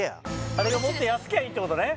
あれがもっと安きゃいいってことね